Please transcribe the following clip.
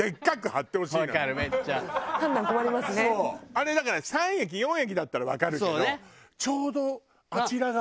あれだから３駅４駅だったらわかるけどちょうどあちら側。